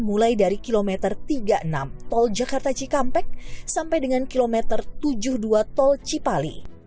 mulai dari kilometer tiga puluh enam tol jakarta cikampek sampai dengan kilometer tujuh puluh dua tol cipali